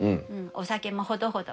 お酒もほどほど。